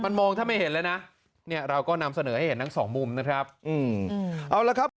มันมองถ้าไม่เห็นแล้วนะเนี่ยเราก็นำเสนอให้เห็นทั้งสองมุมนะครับอืมเอาละครับ